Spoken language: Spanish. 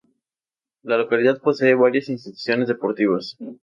La localidad posee varias instituciones deportivas.